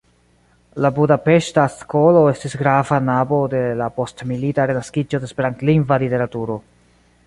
La budapeŝta skolo estis grava nabo de la postmilita renaskiĝo de esperantlingva literaturo.